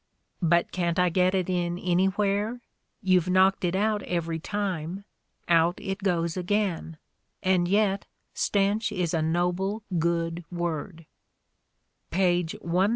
But can't I get it in ajij/where? You've knocked it out every time. Out it goes again. And yet "stench" is a noble, good word. Page 1,038.